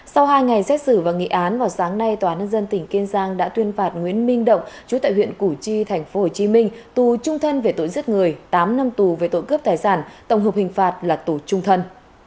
sau hai ngày xét xử và nghị án vào sáng nay tòa nhân dân tỉnh kiên giang đã tuyên phạt nguyễn minh động chú tại huyện củ chi tp hcm tù trung thân về tội giết người tám năm tù về tội cướp tài sản tổng hợp hình phạt là tù trung thân